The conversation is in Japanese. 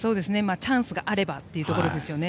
チャンスがあればというところですね。